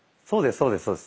そうですそうです。